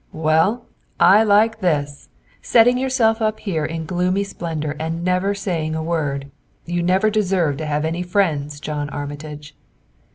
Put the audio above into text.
"Well, I like this! Setting yourself up here in gloomy splendor and never saying a word. You never deserved to have any friends, John Armitage!"